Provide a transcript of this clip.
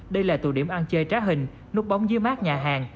đây là tù điểm ăn chơi trá hình nút bóng dưa mát nhà hàng